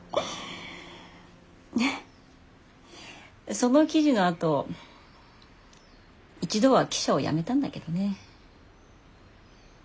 その記事のあと一度は記者をやめたんだけどね。